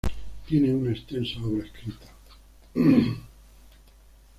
Tiene una extensa obra escrita.